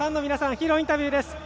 ヒーローインタビューです。